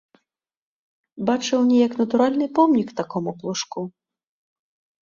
Бачыў неяк натуральны помнік такому плужку.